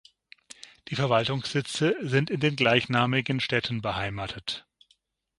Die Verwaltungssitze sind in den gleichnamigen Städten beheimatet.